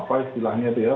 apa istilahnya itu ya